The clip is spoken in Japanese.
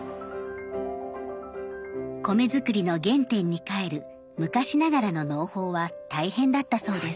米作りの原点に返る昔ながらの農法は大変だったそうです。